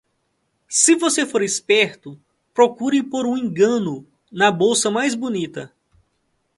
Se você for esperto, procure por um engano na bolsa mais bonita.